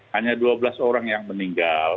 hanya dua belas orang yang meninggal